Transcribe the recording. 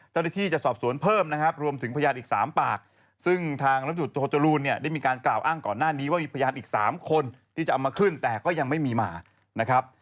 เจ้าหน้าที่จะสอบสวนเพิ่มนะครับรวมถึงพยานอีก๓ปากซึ่งทางลำจุดโทจรูนเนี่ยได้มีการกล่าวอ้างก่อนหน้านี้ว่ามีพยานอีก๓คนที่จะเอามาขึ้นแต่ก็ยังไม่มีมานะครับ